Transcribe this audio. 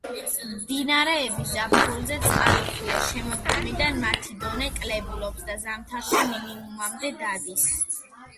მდინარეები გაზაფხულზე წყალუხვია, შემოდგომიდან მათი დონე კლებულობს და ზამთარში მინიმუმამდე დადის.